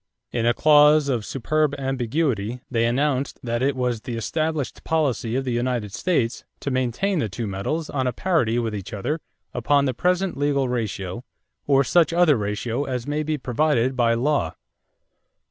In a clause of superb ambiguity they announced that it was "the established policy of the United States to maintain the two metals on a parity with each other upon the present legal ratio or such other ratio as may be provided by law."